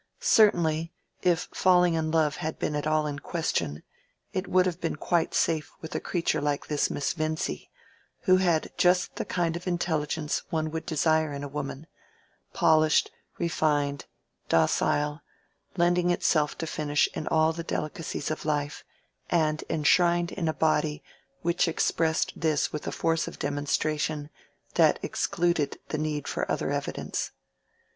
Certainly, if falling in love had been at all in question, it would have been quite safe with a creature like this Miss Vincy, who had just the kind of intelligence one would desire in a woman—polished, refined, docile, lending itself to finish in all the delicacies of life, and enshrined in a body which expressed this with a force of demonstration that excluded the need for other evidence.